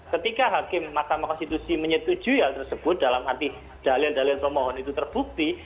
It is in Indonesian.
ketika hakim mahkamah konstitusi menyetujui hal tersebut dalam arti dalil dalil pemohon itu terbukti